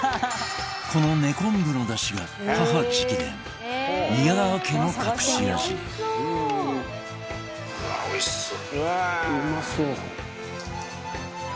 この根昆布のだしが母直伝、宮川家の隠し味うわー、おいしそう。